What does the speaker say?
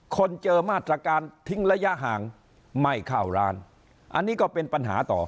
คนเจอมาตรการทิ้งระยะห่างไม่เข้าร้านอันนี้ก็เป็นปัญหาต่อ